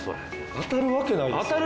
当たるわけないですよね。